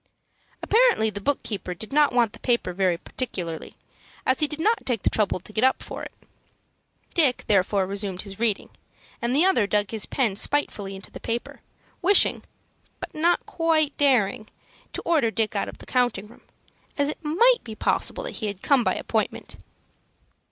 Apparently the book keeper did not want the paper very particularly, as he did not take the trouble to get up for it. Dick therefore resumed his reading, and the other dug his pen spitefully into the paper, wishing, but not quite daring, to order Dick out of the counting room, as it might be possible that he had come by appointment.